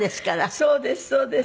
そうですそうです。